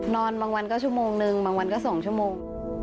นอนบางวันก็ชั่วโมงนึงบางวันก็๒ชั่วโมง